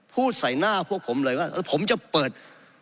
พูดใส่หน้าพวกผมเลยว่าผมจะเปิด